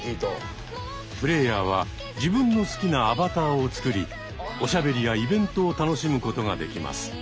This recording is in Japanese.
プレーヤーは自分の好きなアバターを作りおしゃべりやイベントを楽しむことができます。